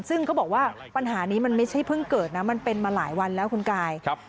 ซึ่งเขาบอกว่าปัญหานี้มันไม่ใช่เพิ่งเกิดนะมันเป็นมาหลายวันแล้วคุณกาย